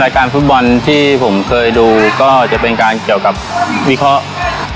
การฟุตบอลที่ผมเคยดูก็จะเป็นการเกี่ยวกับวิเคราะห์